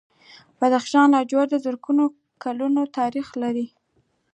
د بدخشان لاجورد زرګونه کاله تاریخ لري